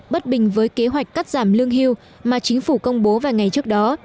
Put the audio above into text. bất bình với kế hoạch cắt giảm lương hưu mà chính phủ công bố vài ngày trước đó